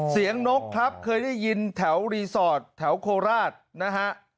นกครับเคยได้ยินแถวรีสอร์ทแถวโคราชนะฮะ